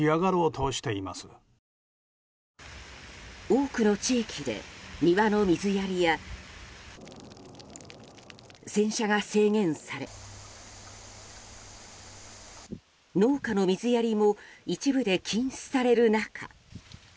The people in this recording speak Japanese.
多くの地域で庭の水やりや洗車が制限され、農家の水やりも一部で禁止される中。